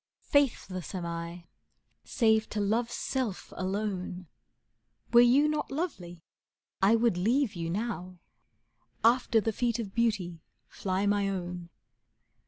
Faithless am I save to love's self alone. Were you not lovely I would leave you now; After the feet of beauty fly my own.